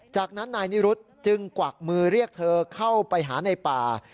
จากนั้นนายนิรุธจึงกวักมือเรียกเธอเข้าไปหาในป่า